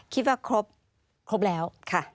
คิดว่าครบครบแล้วค่ะ